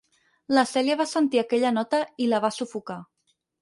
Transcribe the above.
La Celia va sentir aquella nota i la va sufocar.